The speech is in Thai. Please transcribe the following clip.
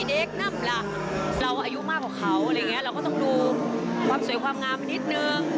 เราอายุมากกว่าเขาเราก็ต้องดูความสวยความงามนิดนึง